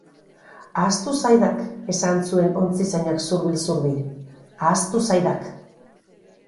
Ahaztu zaidak —esan zuen ontzizainak zurbil-zurbil—, ahaztu zaidak.